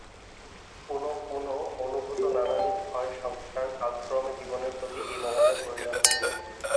পুনঃপুন অনুভূত নানাবিধ ভয়ের সংস্কার কালক্রমে জীবনের প্রতি এই মমতায় পরিণত হইয়াছে।